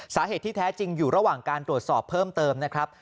สาเหตุที่แท้จริงอยู่ระหว่างการตรวจสอบเพิ่มเติมนะครับ